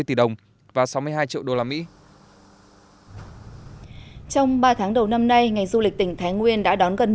trong ba tháng đầu năm nay ngành du lịch tỉnh thái nguyên đã đón gần